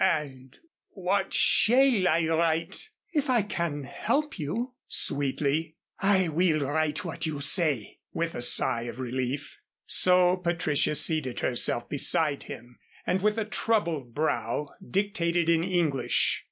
"And what shall I write?" "If I can help you " sweetly. "I will write what you say," with a sigh of relief. So Patricia seated herself beside him and with a troubled brow dictated in English.